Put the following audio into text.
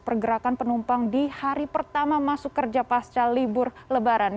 pergerakan penumpang di hari pertama masuk kerja pasca libur lebaran